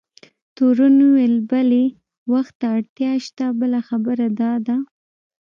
تورن وویل: بلي، وخت ته اړتیا شته، بله خبره دا ده.